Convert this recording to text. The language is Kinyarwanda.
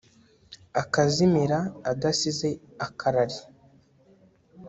akazimira adasize akarari